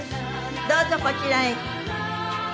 どうぞこちらに。